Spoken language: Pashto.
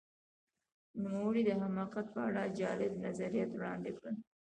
نوموړي د حماقت په اړه جالب نظریات وړاندې کړل.